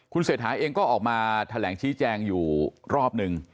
เศรษฐาเองก็ออกมาแถลงชี้แจงอยู่รอบหนึ่ง